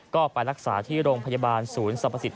ก็ไปรักษาที่โรงพยาบาลศูนย์สรรพสิทธ